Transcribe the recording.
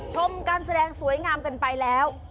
ชมการแสดงสวยงามกันไปแล้ว